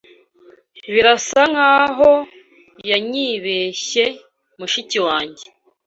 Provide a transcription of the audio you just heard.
Birasa nkaho yanyibeshye mushiki wanjye.